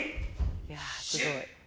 いやすごい。